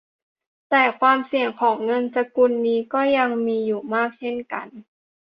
แต่ความเสี่ยงของเงินสกุลนี้ก็ยังมีอยู่มากเช่นกัน